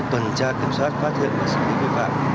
tuần tra kiểm soát phát hiện và xử lý vi phạm